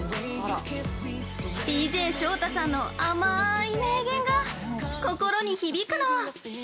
ＤＪショウタさんのあまい名言が心に響くの！